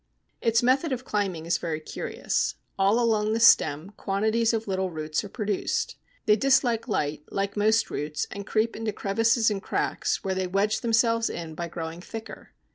Its method of climbing is very curious. All along the stem quantities of little roots are produced. They dislike light, like most roots, and creep into crevices and cracks, where they wedge themselves in by growing thicker.